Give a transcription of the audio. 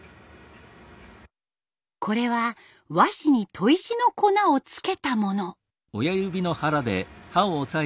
これは和紙に砥石の粉をつけたもの。